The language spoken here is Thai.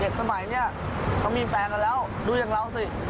โอ้โฮเด็กสมัยนี่เค้ามีแฟนกันแล้วดูอย่างเราสิ